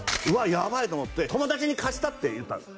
やばいと思って「友達に貸した」って言ったんです